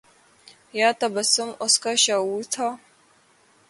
یا تبسم اُسکا شعور تھا